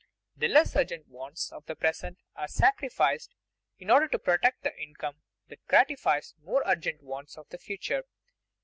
The less urgent wants of the present are sacrificed in order to protect the income that gratifies the more urgent wants of the future.